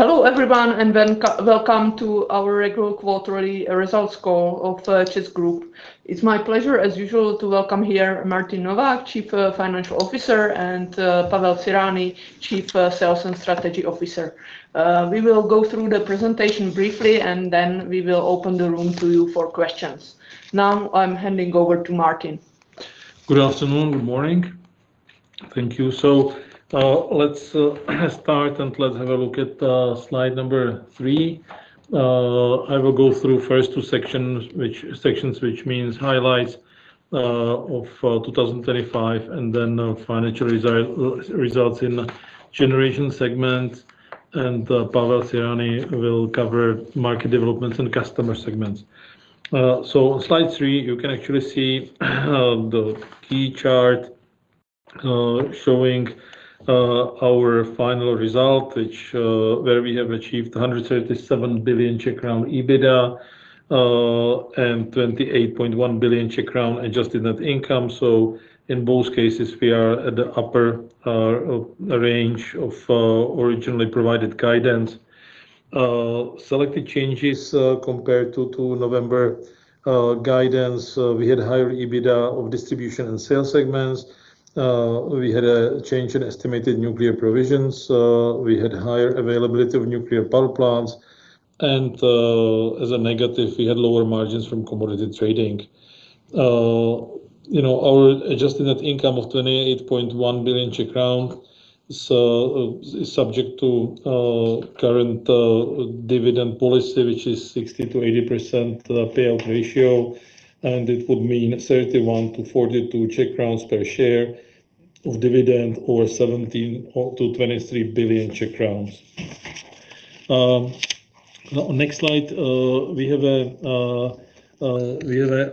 Hello everyone, and welcome to our regular quarterly results call of ČEZ Group. It's my pleasure, as usual, to welcome here Martin Novák, Chief Financial Officer, and Pavel Cyrani, Chief Sales and Strategy Officer. We will go through the presentation briefly, and then we will open the room To you for questions. Now, I'm handing over to Martin. Good afternoon. Good morning. Thank you. Let's start, and let's have a look at slide number three. I will go through first two sections, which means highlights of 2025, and then financial results in generation segment. Pavel Cyrani will cover market developments and customer segments. Slide three, you can actually see the key chart showing our final result, which where we have achieved 137 billion Czech crown EBITDA, and 28.1 billion Czech crown adjusted net income. In both cases, we are at the upper range of originally provided guidance. Selected changes compared to November guidance, we had higher EBITDA of distribution and sales segments. We had a change in estimated nuclear provisions, we had higher availability of nuclear power plants, and, as a negative, we had lower margins from commodity trading. You know, our adjusted net income of 28.1 billion Czech crown is subject to current dividend policy, which is 60%-80% payout ratio. It would mean 31-42 CZK per share of dividend or 17-23 billion. On next slide. We have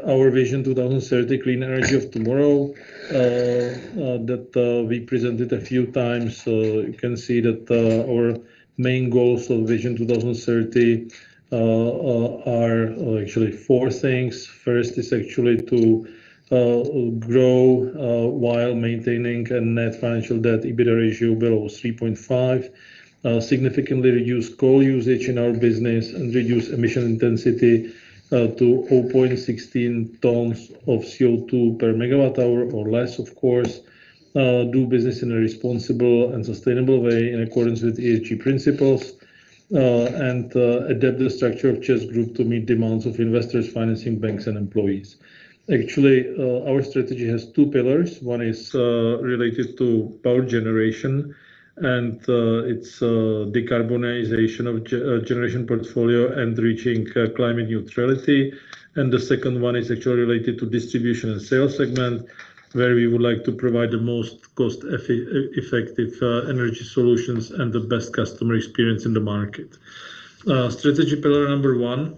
our Vision 2030 Clean Energy of Tomorrow, that we presented a few times. You can see That our main goals for Vision 2030 are actually four things. First is actually to grow while maintaining a net financial debt EBITDA ratio below 3.5. Significantly reduce coal usage in our business and reduce emission intensity to 4.16 tons of CO2 per megawatt hour or less, of course. Do business in a responsible and sustainable way in accordance with ESG principles. And adapt the structure of ČEZ Group to meet demands of investors, financing banks and employees. Actually, our strategy has two pillars. One is related to power generation, and it's decarbonization of generation portfolio and reaching climate neutrality. The second one is actually related to distribution and sales segment, where we would like to provide the most cost-effective energy solutions and the best customer experience in the market. Strategy pillar number one,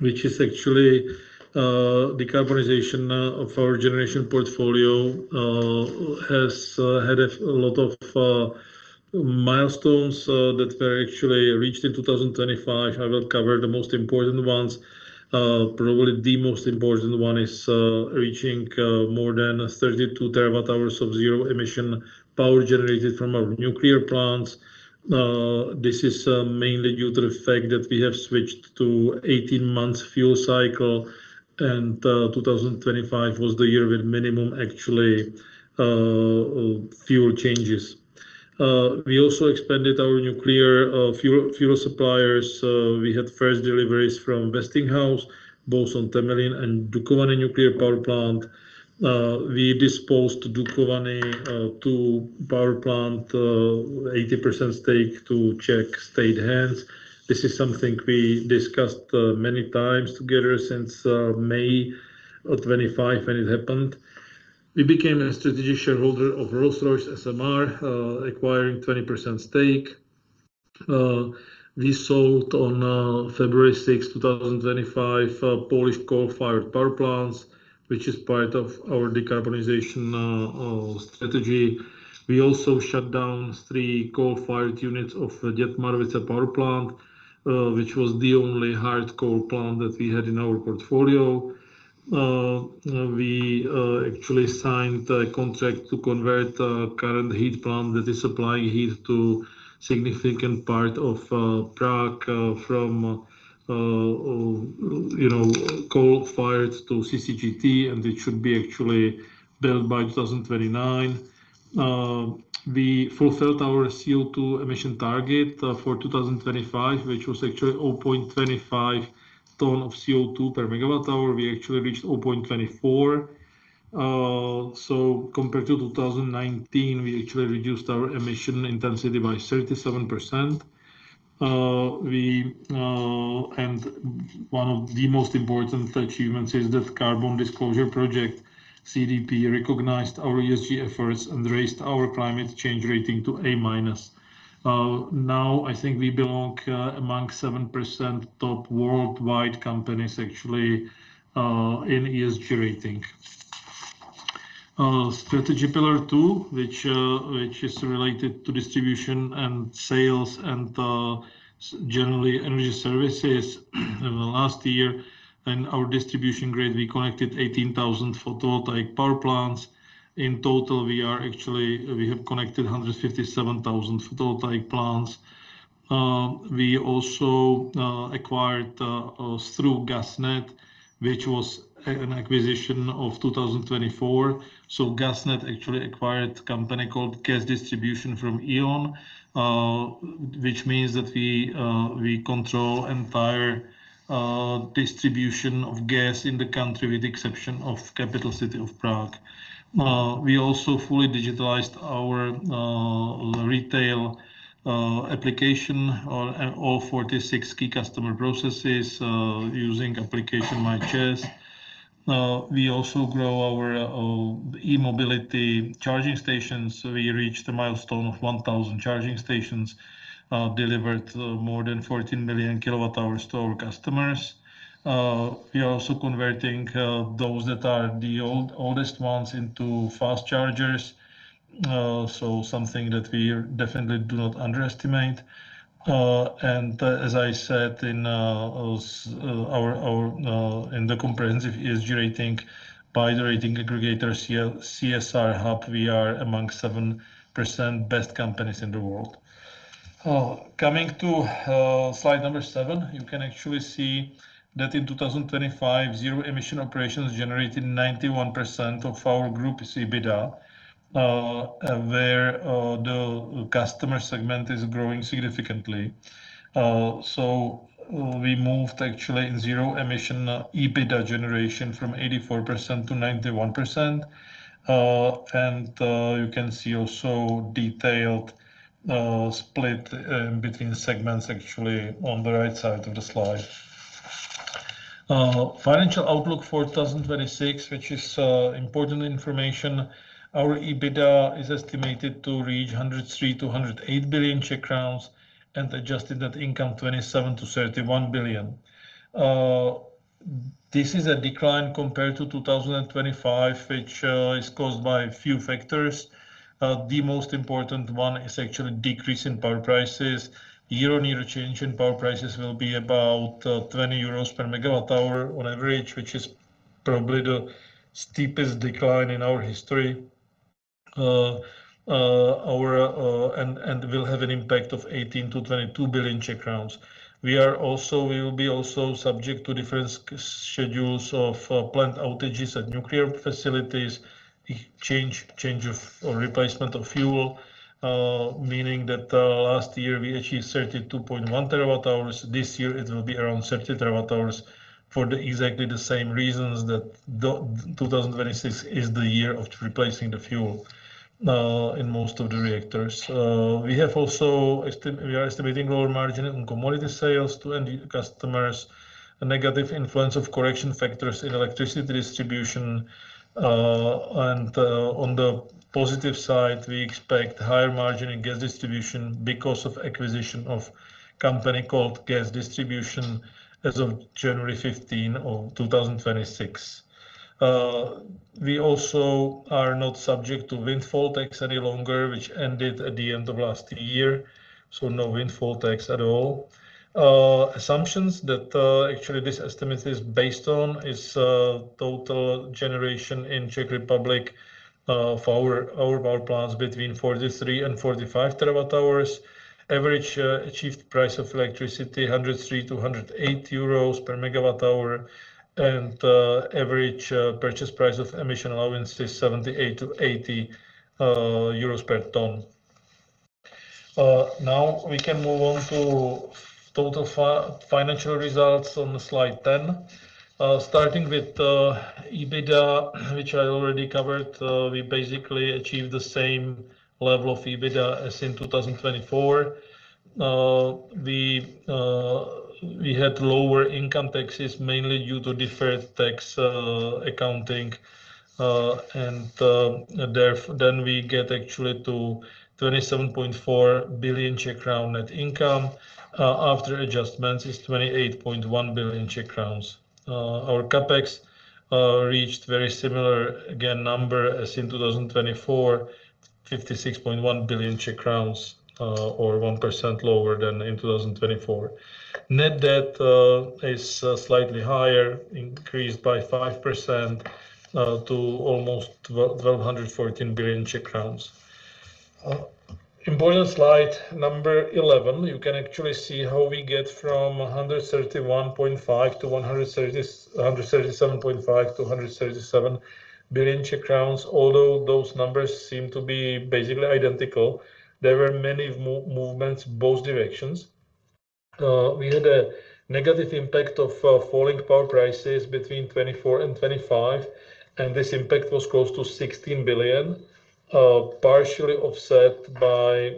which is actually decarbonization of our generation portfolio, has had a lot of milestones that were actually reached in 2025. I will cover the most important ones. Probably the most important one is reaching more than 32 TWh of zero-emission power generated from our nuclear plants. This is mainly due to the fact that we have switched to 18-month fuel cycle and 2025 was the year with minimum actually fuel changes. We also expanded our nuclear fuel suppliers. We had first deliveries from Westinghouse, both on Temelín and Dukovany nuclear power plant. We divested Dukovany II power plant 80% stake to Czech state hands. This is something we discussed many times together since May 2025 when it happened. We became a strategic shareholder of Rolls-Royce SMR, acquiring 20% stake. We sold on February 6th, 2025, Polish coal-fired power plants, which is part of our decarbonization strategy. We also shut down three coal-fired units of the Dětmarovice power plant, which was the only hard coal plant that we had in our portfolio. We actually signed a contract to convert current heat plant that is supplying heat to significant part of Prague from you know, coal-fired to CCGT, and it should be actually built by 2029. We fulfilled our CO2 emission target for 2025, which was actually 0.25 ton of CO2 per megawatt hour. We actually reached 0.24. Compared to 2019, we actually reduced our emission intensity by 37%. And one of the most important achievements is that Carbon Disclosure Project, CDP, recognized our ESG efforts and raised our climate change rating to A-. Now, I think we belong among 7% top worldwide companies actually in ESG rating. Strategy pillar two, which is related to distribution and sales and, so generally, energy services. In the last year in our distribution grid, we connected 18,000 photovoltaic power plants. In total, we actually have connected 157,000 photovoltaic plants. We also acquired through GasNet, which was an acquisition of 2024. GasNet actually acquired a company called Gas Distribution from E.ON, which means that we control entire distribution of gas in the country, with the exception of capital city of Prague. We also fully digitalized our retail application and all 46 key customer processes, using application MyČEZ. We also grow our e-mobility charging stations. We reached a milestone of 1,000 charging stations, delivered more than 14 million kWh to our customers. We are also converting those that are the oldest ones into fast chargers. Something that we definitely do not underestimate. As I said in our comprehensive ESG rating by the rating aggregator CSRHub, we are amongst 7% best companies in the world. Coming to slide number seven, you can actually see that in 2025, zero emission operations generated 91% of our group's EBITDA, where the customer segment is growing significantly. We moved actually in zero emission EBITDA generation from 84%-91%. You can see also detailed split between segments actually on the right side of the slide. Financial outlook for 2026, which is important information. Our EBITDA is estimated to reach 103 billion-108 billion Czech crowns and adjusted net income, 27 billion-31 billion. This is a decline compared to 2025, which is caused by a few factors. The most important one is actually decrease in power prices. Year-on-year change in power prices will be about 20 euros per megawatt hour on average, which is probably the steepest decline in our history. Will have an impact of 18 billion-22 billion. We will be also subject to different schedules of plant outages at nuclear facilities. Change of or replacement of fuel, meaning that last year we achieved 32.1 terawatt-hours. This year it will be around 30 terawatt-hours for exactly the same reasons that 2026 is the year of replacing the fuel in most of the reactors. We are estimating lower margin on commodity sales to end customers, a negative influence of correction factors in electricity distribution. On the positive side, we expect higher margin in gas distribution because of acquisition of company called Gas Distribution as of January 15, 2026. We also are not subject to windfall tax any longer, which ended at the end of last year, so no windfall tax at all. Assumptions that actually this estimate is based on is total generation in Czech Republic for our power plants between 43 and 45 terawatt-hours. Average achieved price of electricity, 103-180 euros per megawatt hour. Average purchase price of emission allowance is 78-80 euros per ton. Now we can move on to total financial results on slide 10. Starting with EBITDA, which I already covered, we basically achieved the same level of EBITDA as in 2024. We had lower income taxes, mainly due to deferred tax accounting. Then we get actually to 27.4 billion net income. After adjustments is 28.1 billion. Our CapEx reached very similar, again, number as in 2024, 56.1 billion Czech crowns, or 1% lower than in 2024. Net debt is slightly higher, increased by 5%, to almost 1,214 billion Czech crowns. Important slide number 11. You can actually see how we get from 131.5-137.5-137 billion Czech crowns. Although those numbers seem to be basically identical, there were many movements both directions. We had a negative impact of falling power prices between 2024 and 2025, and this impact was close to 16 billion, partially offset by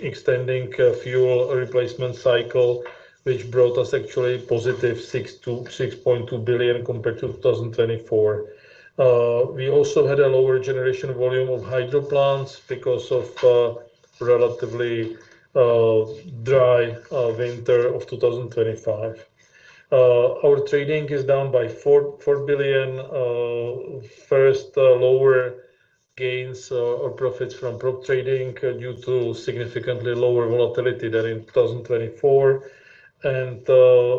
extending fuel replacement cycle, which brought us actually positive 6-6.2 billion compared to 2024. We also had a lower generation volume of hydro plants because of relatively dry winter of 2025. Our trading is down by 4 billion. First, lower gains or profits from prop trading due to significantly lower volatility than in 2024.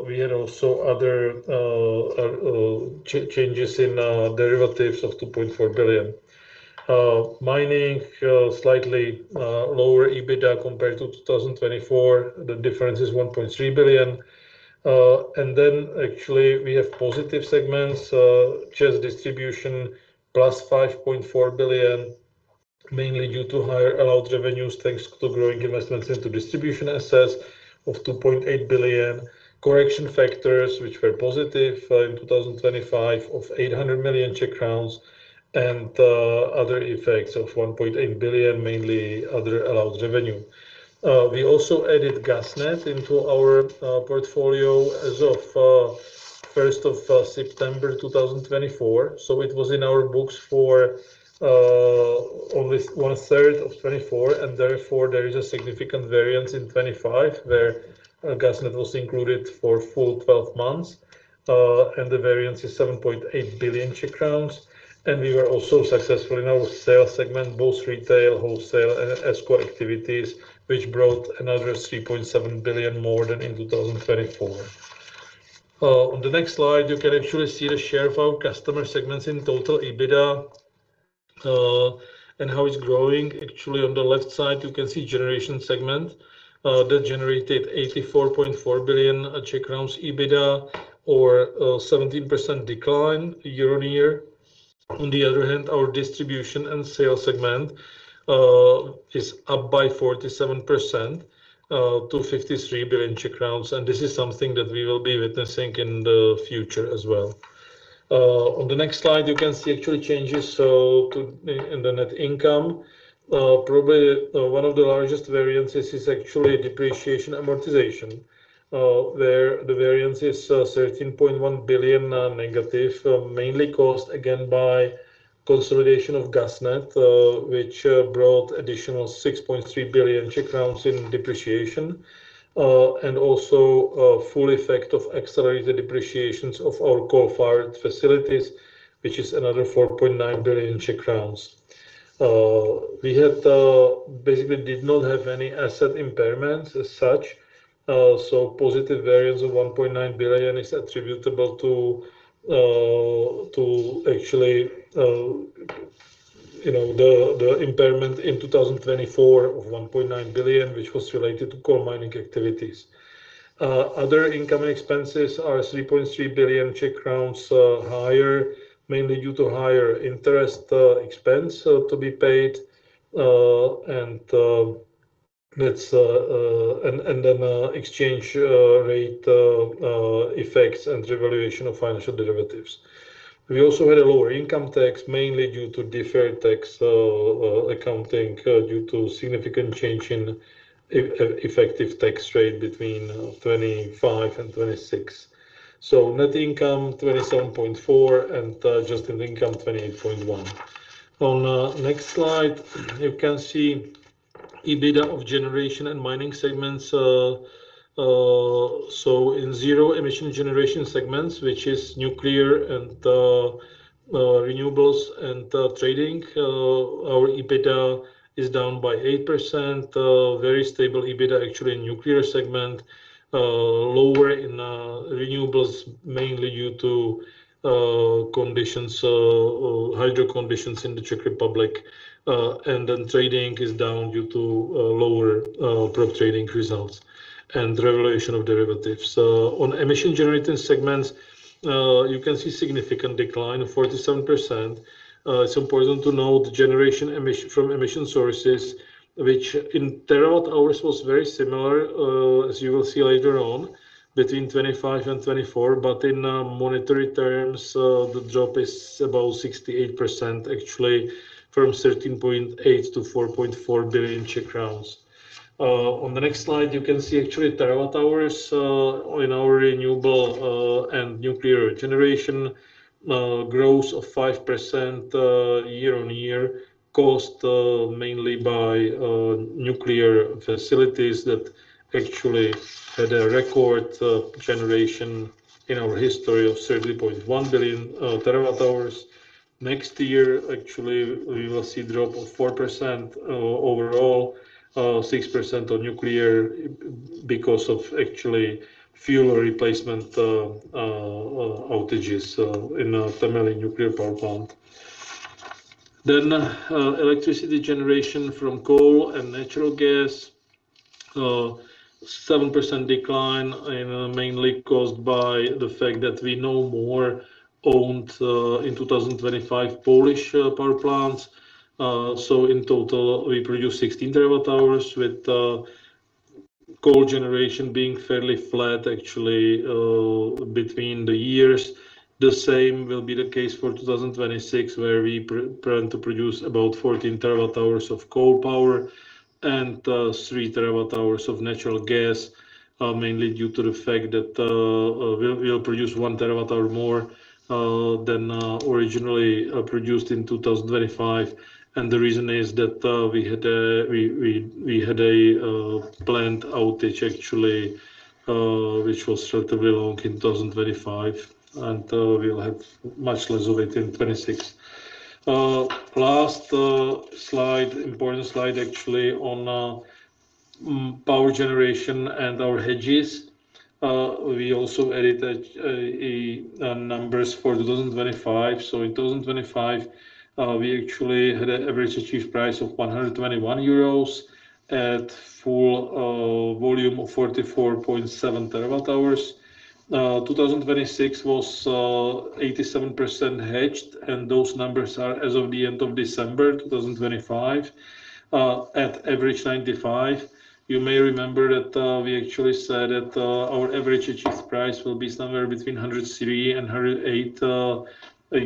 We had also other changes in derivatives of 2.4 billion. Mining slightly lower EBITDA compared to 2024. The difference is 1.3 billion. Then actually we have positive segments. Just distribution plus 5.4 billion, mainly due to higher allowed revenues, thanks to growing investments into distribution assets of 2.8 billion. Correction factors, which were positive, in 2025 of 800 million and other effects of 1.8 billion, mainly other allowed revenue. We also added GasNet into our portfolio as of first of September 2024. It was in our books for only one third of 2024, and therefore there is a significant variance in 2025, where GasNet was included for full 12 months. The variance is 7.8 billion Czech crowns. We were also successful in our sales segment, both retail, wholesale and ESCO activities, which brought another 3.7 billion more than in 2024. On the next slide, you can actually see the share of our customer segments in total EBITDA, and how it's growing. Actually, on the left side, you can see generation segment that generated 84.4 billion Czech crowns EBITDA or a 17% decline year-on-year. On the other hand, our distribution and sales segment is up by 47%, to 53 billion Czech crowns, and this is something that we will be witnessing in the future as well. On the next slide, you can see actual changes in the net income. Probably, one of the largest variances is actually depreciation and amortization, where the variance is -13.1 billion, mainly caused again by consolidation of GasNet, which brought additional 6.3 billion Czech crowns in depreciation. Full effect of accelerated depreciations of our coal-fired facilities, which is another 4.9 billion Czech crowns. We basically did not have any asset impairments as such. Positive variance of 1.9 billion is attributable to actually you know the impairment in 2024 of 1.9 billion, which was related to coal mining activities. Other income and expenses are 3.3 billion higher, mainly due to higher interest expense to be paid. That's exchange rate effects and revaluation of financial derivatives. We also had a lower income tax, mainly due to deferred tax accounting due to significant change in effective tax rate between 25% and 26%. Net income 27.4, and adjusted income 28.1. On next slide, you can see EBITDA of generation and mining segments. In zero-emission generation segments, which is nuclear and renewables and trading, our EBITDA is down by 8%. Very stable EBITDA actually in nuclear segment. Lower in renewables, mainly due to hydro conditions in the Czech Republic. Trading is down due to lower prop trading results and revaluation of derivatives. On emission generating segments, you can see significant decline of 47%. It's important to note generation from emission sources, which in TWh was very similar, as you will see later on between 2025 and 2024. In monetary terms, the drop is about 68% actually from 13.8 billion to 4.4 billion Czech crowns. On the next slide, you can see actually TWh in our renewable and nuclear generation. Growth of 5% year-on-year. Caused mainly by nuclear facilities that actually had a record generation in our history of 30.1 TWh. Next year, actually, we will see drop of 4% overall, 6% on nuclear because of actually fuel replacement outages in Temelín nuclear power plant. Electricity generation from coal and natural gas. 7% decline, mainly caused by the fact that we no longer owned, in 2025, Polish power plants. In total, we produced 16 TWh with coal generation being fairly flat actually, between the years. The same will be the case for 2026, where we plan to produce about 14 TWh of coal power and 3 TWh of natural gas, mainly due to the fact that we'll produce 1 TWh more than originally produced in 2025. The reason is that we had a planned outage actually, which was relatively long in 2025, and we'll have much less of it in 2026. Last slide, important slide actually on power generation and our hedges. We also added numbers for 2025. In 2025, we actually had an average achieved price of 121 euros at full volume of 44.7 TWh. 2026 was 87% hedged, and those numbers are as of the end of December 2025 at average 95. You may remember that we actually said that our average achieved price will be somewhere between 103 and 108 euros per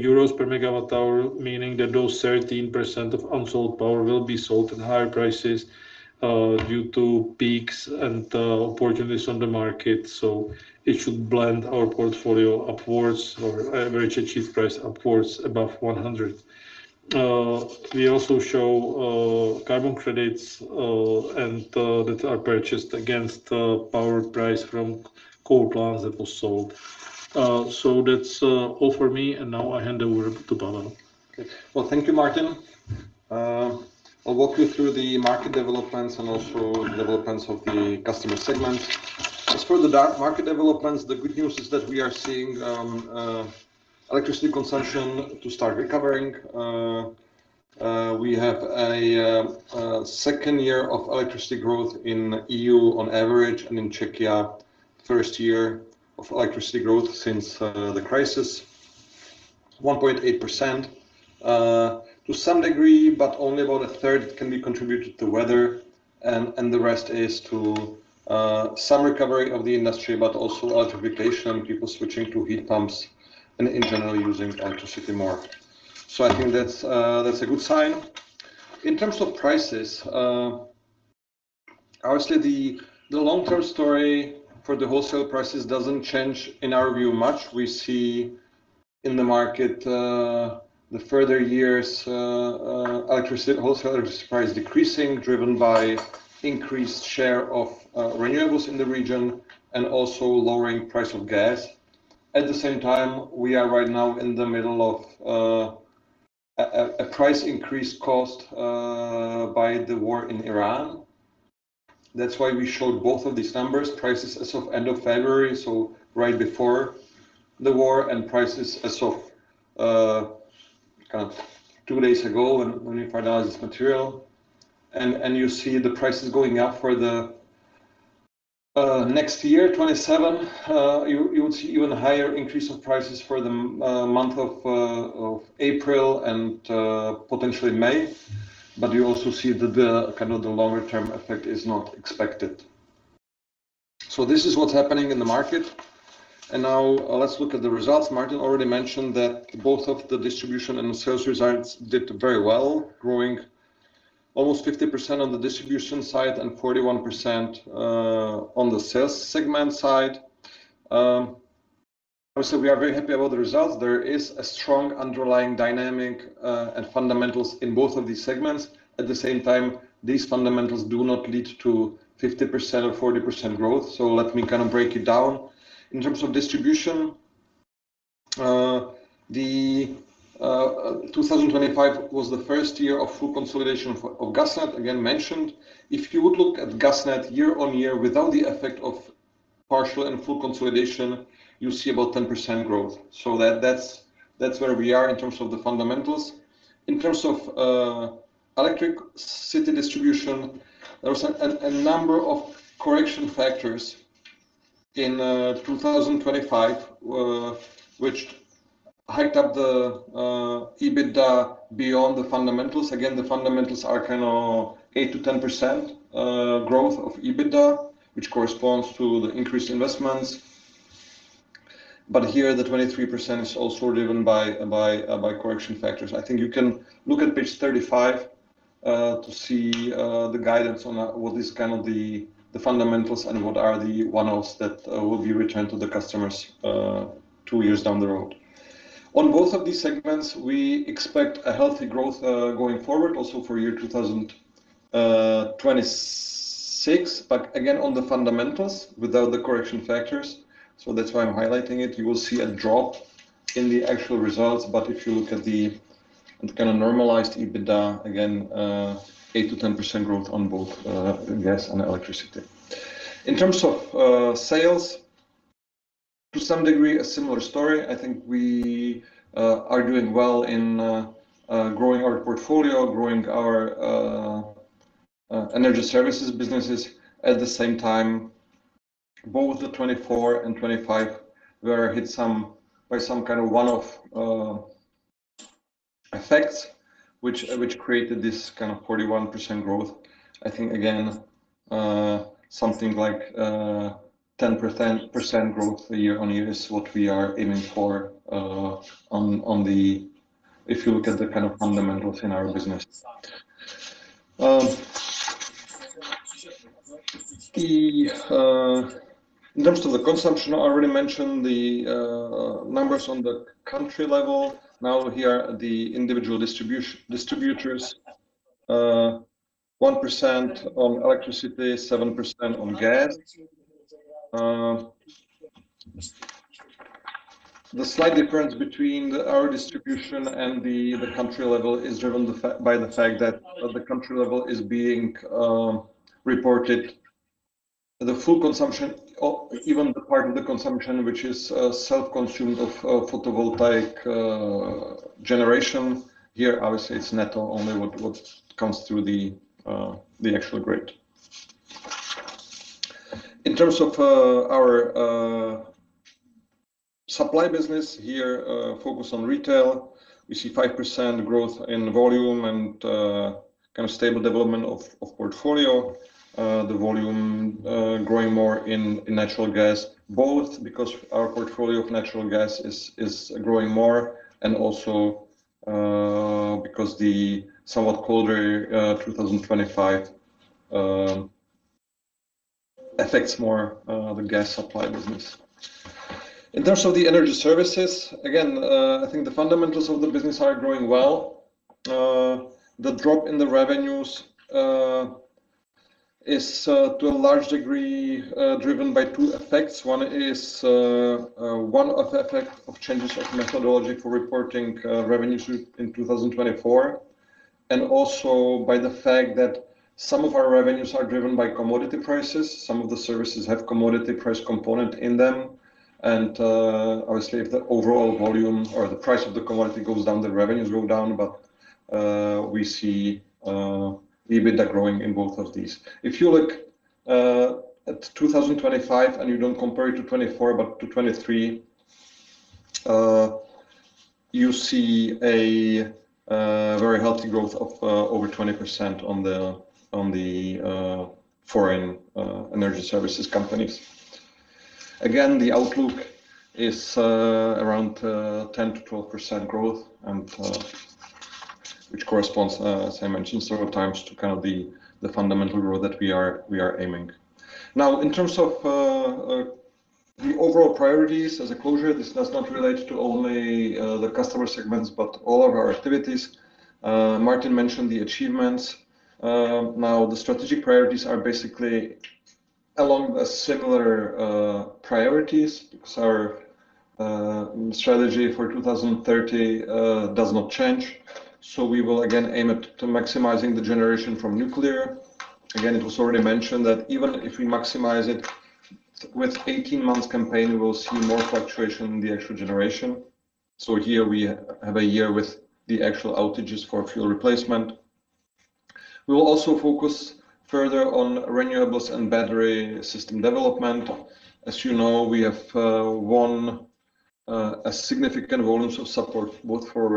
MWh, meaning that those 13% of unsold power will be sold at higher prices due to peaks and opportunities on the market. It should blend our portfolio upwards or our average achieved price upwards above 100. We also show carbon credits and that are purchased against power price from coal plants that was sold. That's all for me, and now I hand over to Pavel. Okay. Well, thank you, Martin. I'll walk you through the market developments and also developments of the customer segment. As for the Czech market developments, the good news is that we are seeing electricity consumption to start recovering. We have a second year of electricity growth in EU on average, and in Czechia, first year of electricity growth since the crisis, 1.8%. To some degree, but only about a third can be attributed to weather. And the rest is due to some recovery of the industry, but also electrification and people switching to heat pumps and in general using electricity more. I think that's a good sign. In terms of prices, obviously the long-term story for the wholesale prices doesn't change in our view much. We see in the market the further years electricity wholesale electricity price decreasing, driven by increased share of renewables in the region and also lowering price of gas. At the same time, we are right now in the middle of a price increase caused by the war in Ukraine. That's why we showed both of these numbers, prices as of end of February, so right before the war and prices as of kind of two days ago when we finalized this material. You see the prices going up for the next year, 2027. You would see even higher increase of prices for the month of April and potentially May. You also see that the kind of longer term effect is not expected. This is what's happening in the market. Now let's look at the results. Martin already mentioned that both of the distribution and sales results did very well, growing almost 50% on the distribution side and 41% on the sales segment side. Also, we are very happy about the results. There is a strong underlying dynamic and fundamentals in both of these segments. At the same time, these fundamentals do not lead to 50% or 40% growth. Let me kind of break it down. In terms of distribution, 2025 was the first year of full consolidation of GasNet, again, mentioned. If you would look at GasNet year-on-year without the effect of partial and full consolidation, you see about 10% growth. That's where we are in terms of the fundamentals. In terms of electricity distribution, there was a number of correction factors in 2025, which hiked up the EBITDA beyond the fundamentals. Again, the fundamentals are kind of 8%-10% growth of EBITDA, which corresponds to the increased investments. Here, the 23% is also driven by correction factors. I think you can look at page 35 to see the guidance on what is kind of the fundamentals and what are the one-offs that will be returned to the customers two years down the road. On both of these segments, we expect a healthy growth going forward, also for year 2026. Again, on the fundamentals without the correction factors, so that's why I'm highlighting it. You will see a drop in the actual results. If you look at the kind of normalized EBITDA, again, 8%-10% growth on both gas and electricity. In terms of sales, to some degree, a similar story. I think we are doing well in growing our portfolio, growing our energy services businesses. At the same time, both the 2024 and 2025 were hit by some kind of one-off effects which created this kind of 41% growth. I think again, something like 10% growth year-on-year is what we are aiming for if you look at the kind of fundamentals in our business. In terms of the consumption, I already mentioned the numbers on the country level. Now here are the individual distributors. 1% on electricity, 7% on gas. The slight difference between our distribution and the country level is driven by the fact that the country level is being reported the full consumption or even the part of the consumption which is self-consumed of photovoltaic generation. Here, obviously, it's net only what comes through the actual grid. In terms of our supply business here, focus on retail. We see 5% growth in volume and kind of stable development of portfolio. The volume growing more in natural gas, both because our portfolio of natural gas is growing more and also because the somewhat colder 2025 affects more the gas supply business. In terms of the energy services, again, I think the fundamentals of the business are growing well. The drop in the revenues is to a large degree driven by two effects. One is one effect of changes of methodology for reporting revenues in 2024, and also by the fact that some of our revenues are driven by commodity prices. Some of the services have commodity price component in them, and obviously, if the overall volume or the price of the commodity goes down, the revenues go down. We see EBITDA growing in both of these. If you look at 2025 and you don't compare it to 2024 but to 2023, you see a very healthy growth of over 20% on the foreign energy services companies. Again, the outlook is around 10%-12% growth and which corresponds, as I mentioned several times, to kind of the fundamental growth that we are aiming. Now, in terms of the overall priorities as a closure, this does not relate to only the customer segments, but all of our activities. Martin mentioned the achievements. Now the strategic priorities are basically along the similar priorities because our strategy for 2030 does not change. We will again aim at to maximizing the generation from nuclear. Again, it was already mentioned that even if we maximize it, with 18 months campaign, we will see more fluctuation in the actual generation. Here we have a year with the actual outages for fuel replacement. We will also focus further on renewables and battery system development. As you know, we have won a significant volumes of support both for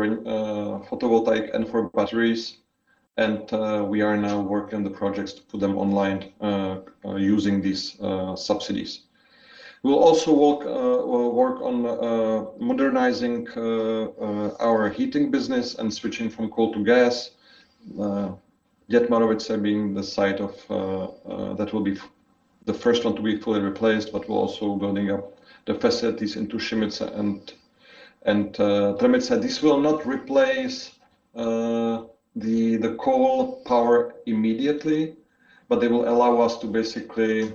photovoltaic and for batteries, and we are now working on the projects to put them online using these subsidies. We'll also work on modernizing our heating business and switching from coal to gas. Dětmarovice being the site of that will be the first one to be fully replaced, but we're also building up the facilities into Mělník and Trmice. This will not replace the coal power immediately, but they will allow us to basically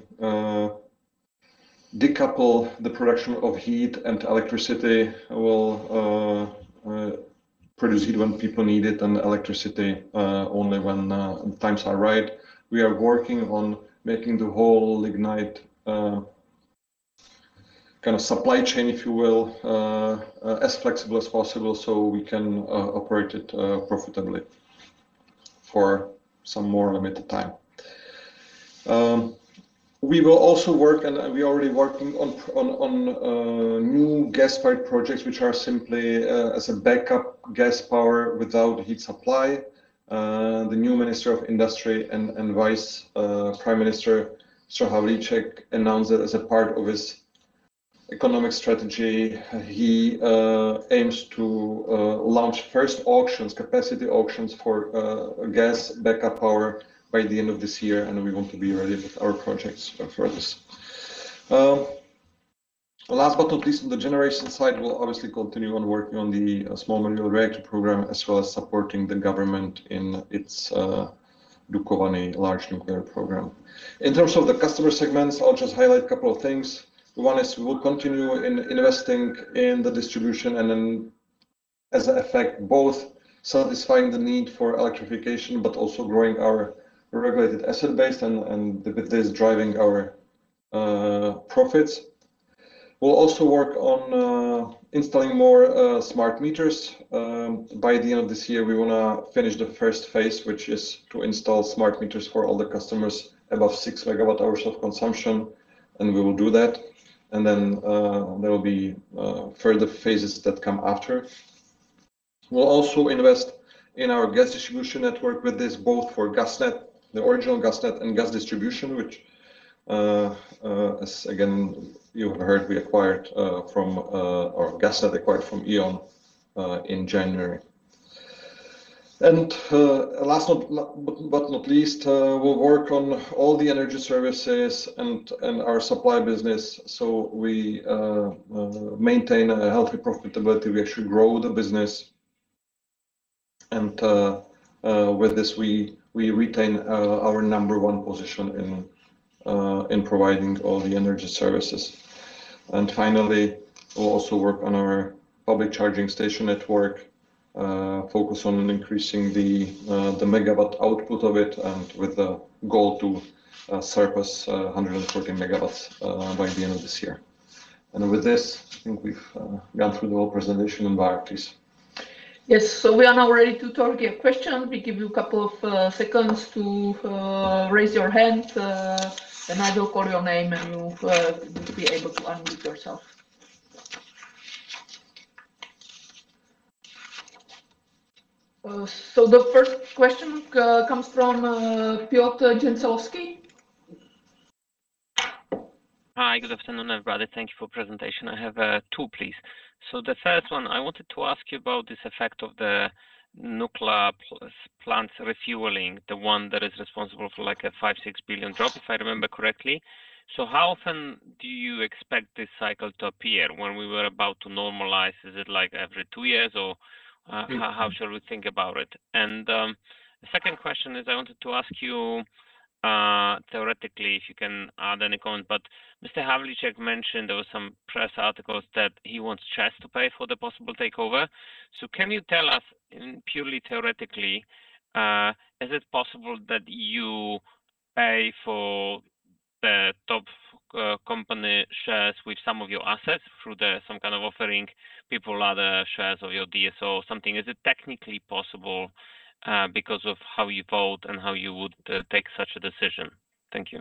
decouple the production of heat and electricity. We'll produce heat when people need it and electricity only when times are right. We are working on making the whole lignite kind of supply chain, if you will, as flexible as possible so we can operate it profitably for some more limited time. We will also work, and we already working on new gas-fired projects, which are simply as a backup gas power without heat supply. The new Minister of Industry and Vice Prime Minister Karel Havlíček announced that as a part of his economic strategy, he aims to launch first auctions, capacity auctions for gas backup power by the end of this year, and we want to be ready with our projects for this. Last but not least, on the generation side, we'll obviously continue working on the small modular reactor program as well as supporting the government in its Dukovany large nuclear program. In terms of the customer segments, I'll just highlight a couple of things. One is we will continue investing in the distribution and then as an effect, both satisfying the need for electrification but also growing our regulated asset base and with this, driving our profits. We'll also work on installing more smart meters. By the end of this year, we wanna finish the first phase, which is to install smart meters for all the customers above 6 MWh of consumption, and we will do that. Then, there will be further phases that come after. We'll also invest in our gas distribution network with this, both for GasNet, the original GasNet and Gas Distribution, which, as again, you heard we acquired, or GasNet acquired from E.ON, in January. Last but not least, we'll work on all the energy services and our supply business so we maintain a healthy profitability. We actually grow the business. With this, we retain our number one position in providing all the energy services. Finally, we'll also work on our public charging station network, focus on increasing the megawatt output of it and with the goal to surpass 114 megawatts by the end of this year. With this, I think we've gone through the whole presentation. Barb, please. Yes. We are now ready to take a question. We give you a couple of seconds to raise your hand, and I will call your name, and you'll be able to unmute yourself. The first question comes from Piotr Dzieciolowski. Hi. Good afternoon, everybody. Thank you for presentation. I have two, please. The first one, I wanted to ask you about this effect of the nuclear plant refueling, the one that is responsible for, like, a 5-6 billion drop, if I remember correctly. How often do you expect this cycle to appear? When we were about to normalize, is it, like, every two years, or how shall we think about it? The second question is, I wanted to ask you, theoretically, if you can add any comment, but Mr. Havlíček mentioned there was some press articles that he wants ČEZ to pay for the possible takeover. Can you tell us, in purely theoretically, is it possible that you pay for the top company shares with some of your assets through some kind of offering people other shares of your DSO or something? Is it technically possible, because of how you vote and how you would take such a decision? Thank you.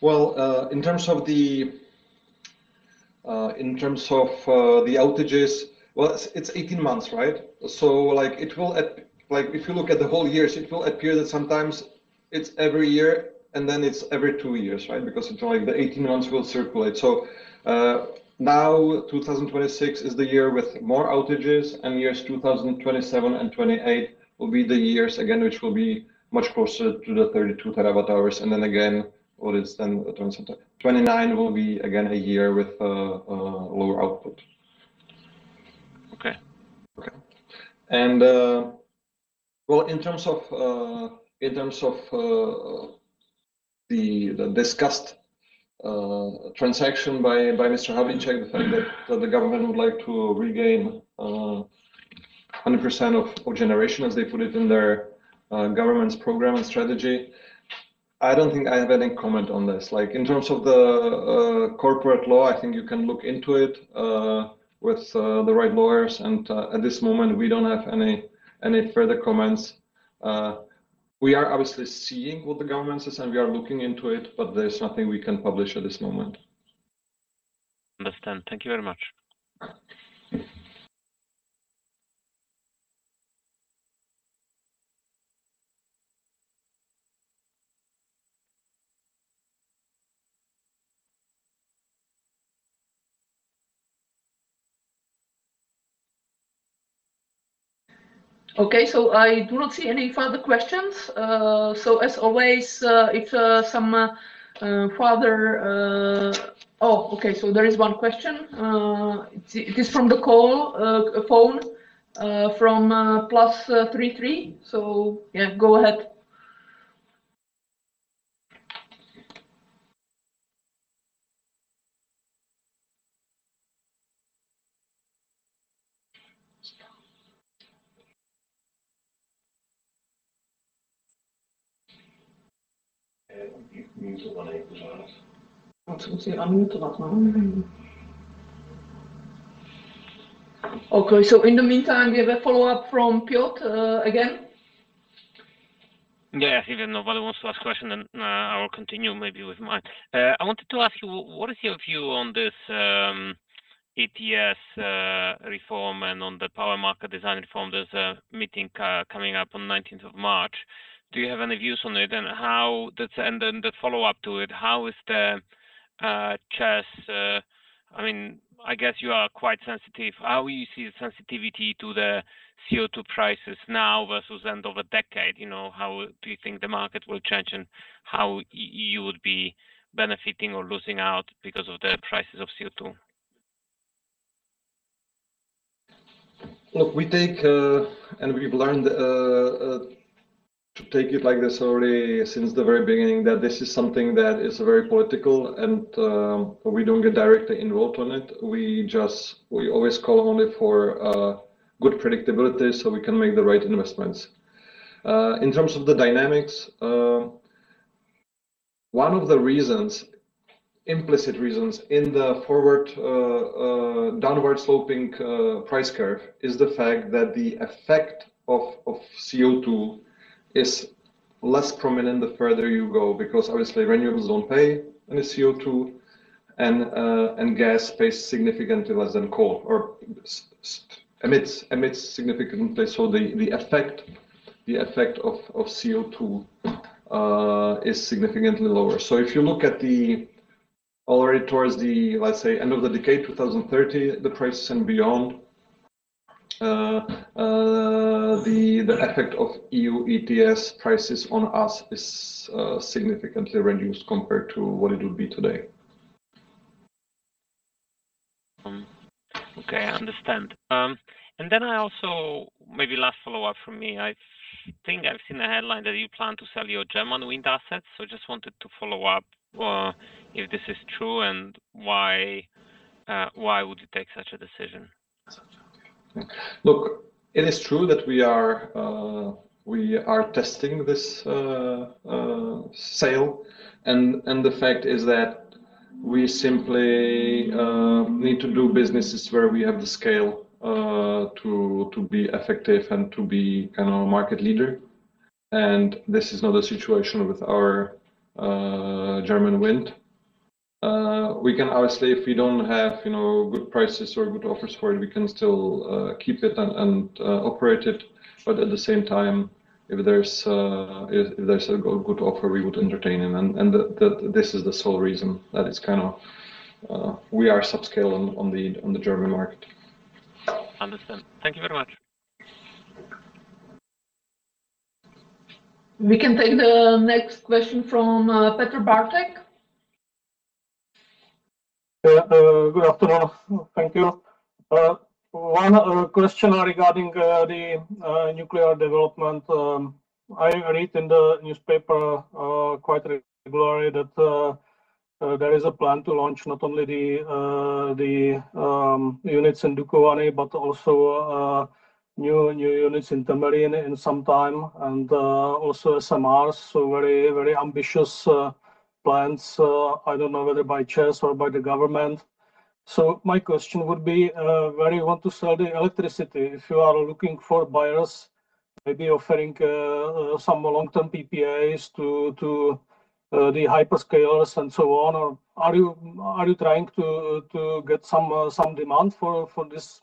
Well, in terms of the outages, well, it's 18 months, right? Like, if you look at the whole years, it will appear that sometimes it's every year, and then it's every two years, right? Because it's like the 18 months will circulate. Now 2026 is the year with more outages, and years 2027 and 2028 will be the years again, which will be much closer to the 32 terawatt-hours. Then again, 2029 will be again a year with lower output. Okay. Okay. Well, in terms of the discussed transaction by Mr. Havlíček, the fact that the government would like to regain 100% of generation as they put it in their government's program and strategy, I don't think I have any comment on this. Like, in terms of the corporate law, I think you can look into it with the right lawyers, and at this moment, we don't have any further comments. We are obviously seeing what the government says, and we are looking into it, but there's nothing we can publish at this moment. Understand. Thank you very much. Okay. I do not see any further questions. Oh, okay. There is one question. It is from the call phone from plus three three. Yeah, go ahead. I want to see you unmute about now. Okay. In the meantime, we have a follow-up from Piotr again. Yeah. If nobody wants to ask question, then I will continue maybe with mine. I wanted to ask you, what is your view on this ETS reform and on the power market design reform? There's a meeting coming up on nineteenth of March. Do you have any views on it? The follow-up to it, how is the ČEZ. I mean, I guess you are quite sensitive. How you see the sensitivity to the CO2 prices now versus end of a decade? You know, how do you think the market will change, and how you would be benefiting or losing out because of the prices of CO2? Look, we take, and we've learned to take it like this already since the very beginning, that this is something that is very political and we don't get directly involved on it. We always call only for good predictability, so we can make the right investments. In terms of the dynamics, one of the reasons, implicit reasons in the forward, downward-sloping price curve is the fact that the effect of CO2 is less prominent the further you go because obviously renewables don't pay any CO2 and gas pays significantly less than coal or emits significantly. So the effect of CO2 is significantly lower. If you look at the end of the decade, 2030, the prices and beyond, the effect of EU ETS prices on us is significantly reduced compared to what it would be today. Okay. I understand. Maybe last follow-up from me. I think I've seen a headline that you plan to sell your German wind assets, so just wanted to follow up, if this is true and why you would take such a decision? Look, it is true that we are testing this sale, and the fact is that we simply need to do businesses where we have the scale to be effective and to be kind of a market leader, and this is not a situation with our German wind. We can. Honestly, if we don't have, you know, good prices or good offers for it, we can still keep it and operate it, but at the same time, if there's a good offer, we would entertain them. This is the sole reason that it's kind of we are subscale on the German market. Understand. Thank you very much. We can take the next question from Petr Bartek. Good afternoon. Thank you. One question regarding the nuclear development. I read in the newspaper quite regularly that there is a plan to launch not only the units in Dukovany but also new units in Temelín in some time, and also SMRs, so very ambitious plans. I don't know whether by ČEZ or by the government. My question would be, where you want to sell the electricity? If you are looking for buyers, maybe offering some long-term PPAs to the hyperscalers and so on or are you trying to get some demand for this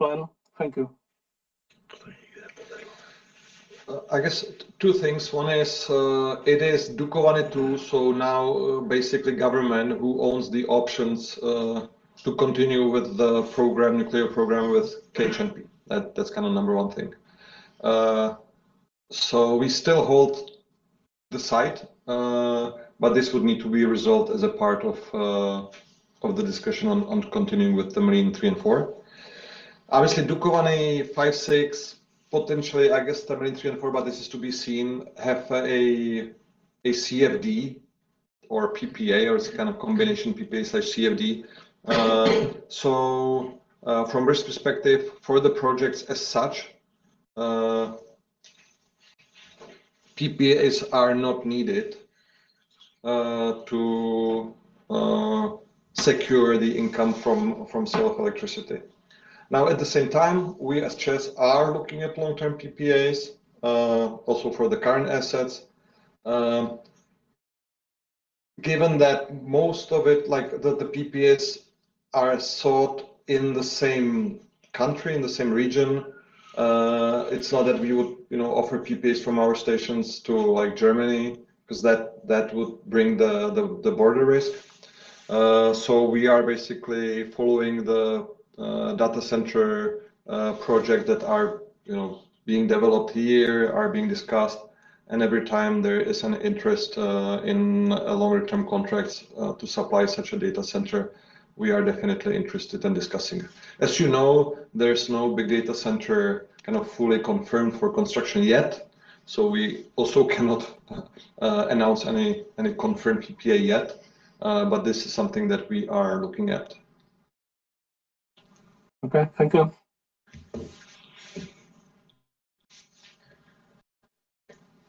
plan? Thank you. I guess two things. One is, it is Dukovany II, so now basically government who owns the options, to continue with the program, nuclear program with KHNP. That's kind of number one thing. We still hold the site, but this would need to be resolved as a part of the discussion on continuing with Temelín 3 and 4. Obviously, Dukovany V, VI potentially, I guess Temelín 3 and 4, but this is to be seen, have a CFD or PPA or it's kind of combination PPA/CFD. From risk perspective for the projects as such, PPAs are not needed, to secure the income from sale of electricity. Now, at the same time, we as ČEZ are looking at long-term PPAs, also for the current assets. Given that most of it, like the PPAs are sought in the same country, in the same region, it's not that we would, you know, offer PPAs from our stations to like Germany 'cause that would bring the border risk. We are basically following the data center project that are, you know, being developed here, are being discussed, and every time there is an interest in a longer term contracts to supply such a data center, we are definitely interested in discussing. As you know, there's no big data center kind of fully confirmed for construction yet, so we also cannot announce any confirmed PPA yet, but this is something that we are looking at. Okay. Thank you.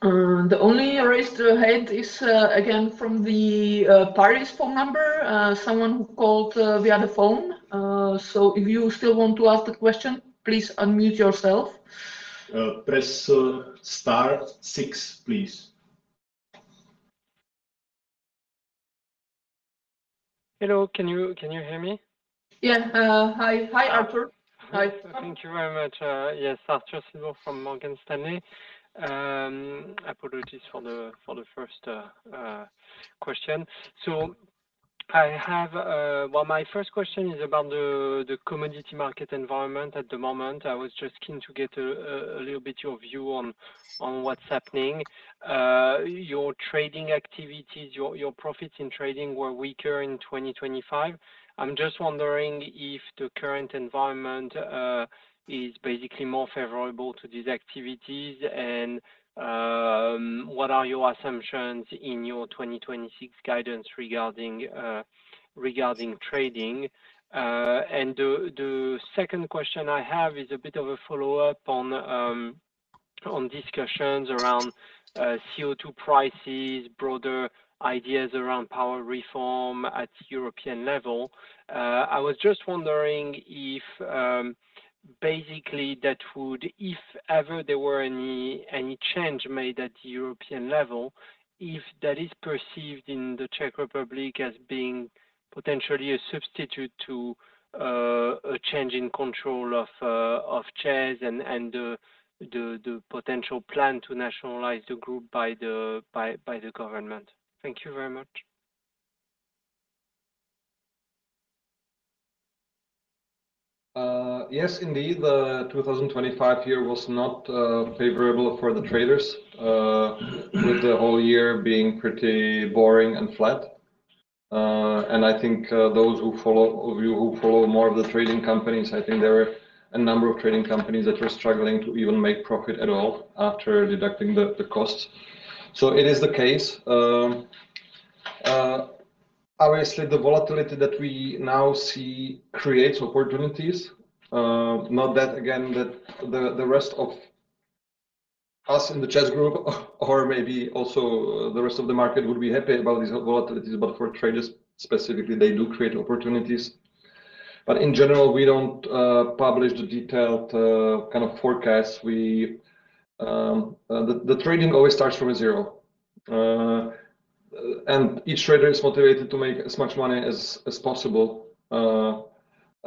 The only raised hand is, again from the Paris phone number, someone who called via the phone. If you still want to ask the question, please unmute yourself. Press star six, please. Hello. Can you hear me? Yeah. Hi. Hi, Arthur. Hi. Thank you very much. Yes, Arthur Sitbon from Morgan Stanley. Apologies for the first question. I have. Well, my first question is about the commodity market environment at the moment. I was just keen to get a little bit of your view on what's happening. Your trading activities, your profits in trading were weaker in 2025. I'm just wondering if the current environment is basically more favorable to these activities, and what are your assumptions in your 2026 guidance regarding trading. The second question I have is a bit of a follow-up on discussions around CO2 prices, broader ideas around power reform at European level. I was just wondering if basically that would, if ever there were any change made at European level, if that is perceived in the Czech Republic as being potentially a substitute to a change in control of ČEZ and the potential plan to nationalize the group by the government. Thank you very much. Yes, indeed. The 2025 year was not favorable for the traders with the whole year being pretty boring and flat. I think those of you who follow more of the trading companies, I think there were a number of trading companies that were struggling to even make profit at all after deducting the costs. It is the case. Obviously the volatility that we now see creates opportunities. Not that, again, that the rest of us in the ČEZ Group or maybe also the rest of the market would be happy about these volatilities, but for traders specifically, they do create opportunities. In general, we don't publish the detailed kind of forecasts. The trading always starts from a zero. Each trader is motivated to make as much money as possible. We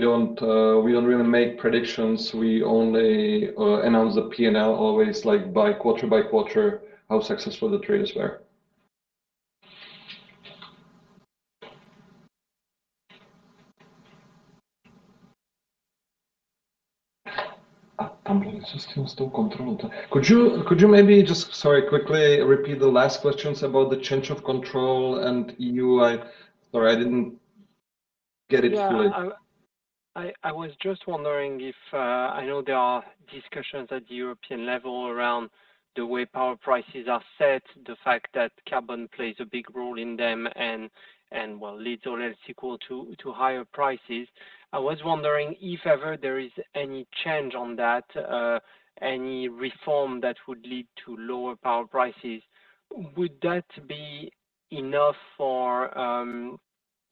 don't really make predictions. We only announce the P&L always, like by quarter by quarter, how successful the traders were. Could you maybe just, sorry, quickly repeat the last questions about the change of control and EU? Sorry, I didn't get it fully. Yeah. I was just wondering if I know there are discussions at the European level around the way power prices are set, the fact that carbon plays a big role in them and well, leads or is equal to higher prices. I was wondering if ever there is any change on that, any reform that would lead to lower power prices, would that be enough for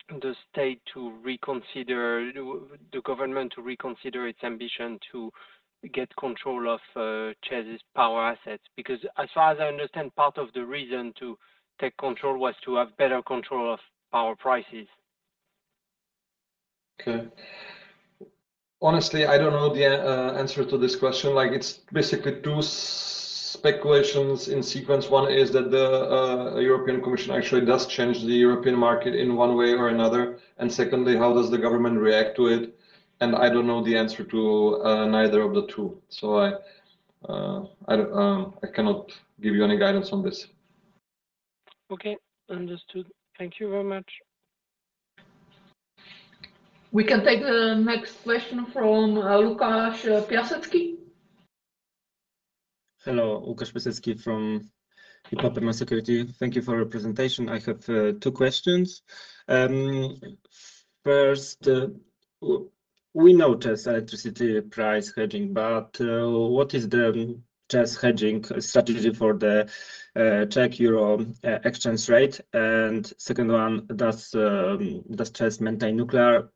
the state to reconsider, the government to reconsider its ambition to get control of ČEZ's power assets? Because as far as I understand, part of the reason to take control was to have better control of power prices. Okay. Honestly, I don't know the answer to this question. Like it's basically two speculations in sequence. One is that the European Commission actually does change the European market in one way or another. Secondly, how does the government react to it? I don't know the answer to neither of the two. I cannot give you any guidance on this. Okay. Understood. Thank you very much. We can take the next question from Łukasz Piasecki. Hello. Łukasz Piasecki from Ipopema Securities. Thank you for your presentation. I have two questions. First, we know ČEZ electricity price hedging, but what is the ČEZ hedging strategy for the Czech euro exchange rate? Second one, does ČEZ maintain nuclear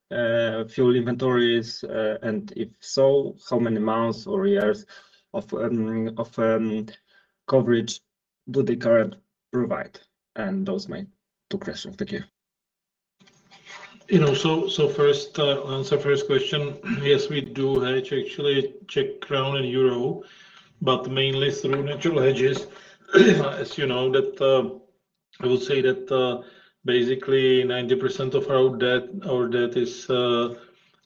fuel inventories? If so, how many months or years of coverage do they currently provide? Those are my two questions. Thank you. You know, first answer first question. Yes, we do hedge actually Czech crown and euro, but mainly through natural hedges. As you know, I would say that basically 90% of our debt is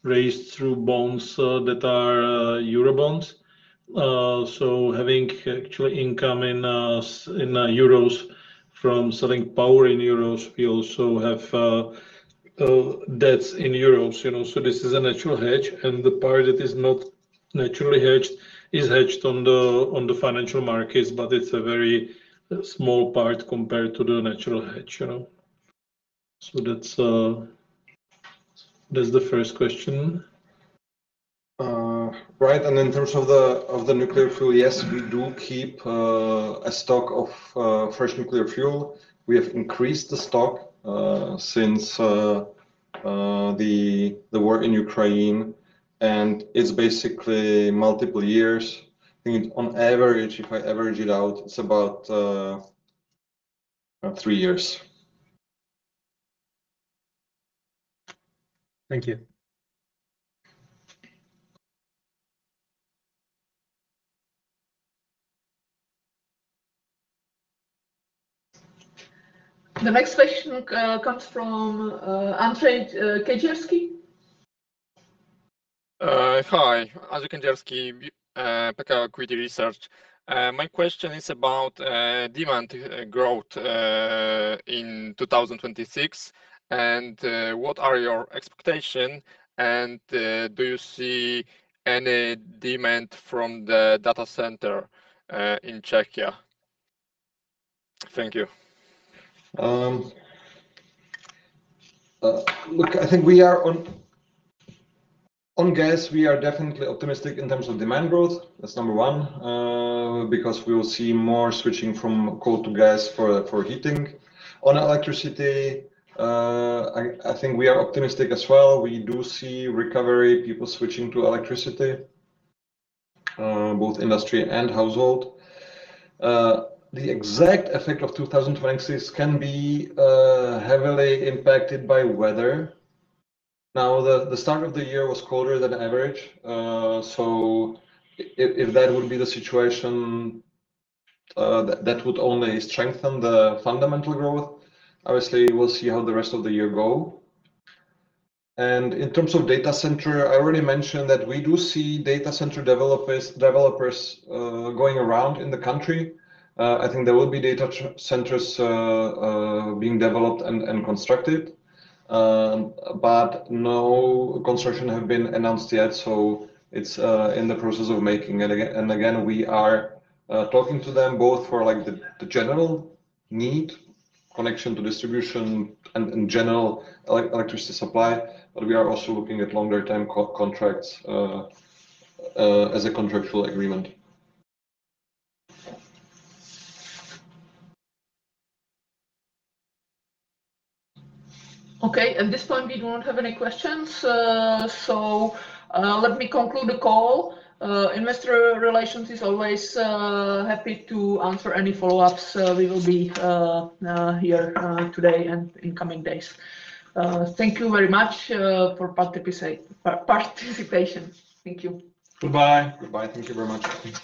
raised through bonds that are euro bonds. Having actual income in euros from selling power in euros, we also have debts in euros, you know. This is a natural hedge. The part that is not naturally hedged is hedged on the financial markets, but it's a very small part compared to the natural hedge, you know. That's the first question. In terms of the nuclear fuel, yes, we do keep a stock of fresh nuclear fuel. We have increased the stock since the war in Ukraine, and it's basically multiple years. I think on average, if I average it out, it's about three years. Thank you. The next question comes from Andrzej Kędzierski. Hi. Andrzej Kędzierski, Pekao Equity Research. My question is about demand growth in 2026, and what are your expectation, and do you see any demand from the data center in Czechia? Thank you. Look, I think we are on gas, we are definitely optimistic in terms of demand growth. That's number 1. Because we will see more switching from coal to gas for heating. On electricity, I think we are optimistic as well. We do see recovery, people switching to electricity, both industry and household. The exact effect of 2026 can be heavily impacted by weather. Now, the start of the year was colder than average, so if that would be the situation, that would only strengthen the fundamental growth. Obviously, we'll see how the rest of the year go. In terms of data center, I already mentioned that we do see data center developers going around in the country. I think there will be data centers being developed and constructed. No construction have been announced yet, so it's in the process of making. Again, we are talking to them both for like the general need, connection to distribution and general electricity supply, but we are also looking at longer term contracts as a contractual agreement. Okay. At this point, we don't have any questions, so let me conclude the call. Investor relations is always happy to answer any follow-ups. We will be here today and in coming days. Thank you very much for participation. Thank you. Goodbye. Goodbye. Thank you very much.